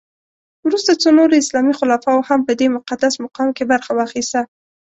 وروسته څو نورو اسلامي خلفاوو هم په دې مقدس مقام کې برخه واخیسته.